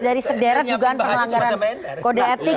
dari sederet dugaan perlanggaran kode etik